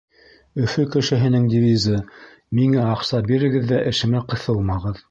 Өфө кешеһенең девизы — миңә аҡса бирегеҙ ҙә эшемә ҡыҫылмағыҙ.